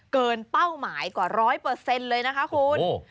เกินเป้าหมายกว่าร้อยเปอร์เซ็นต์เลยนะคะคุณโอ้โห